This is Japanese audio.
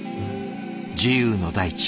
「自由の大地」